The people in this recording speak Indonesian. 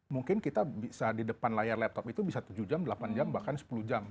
mungkin kita bisa di depan layar laptop itu bisa tujuh jam delapan jam bahkan sepuluh jam